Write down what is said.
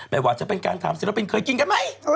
แม้ว่าจะเป็นการทำศิลปินเคยกินกันมั้ย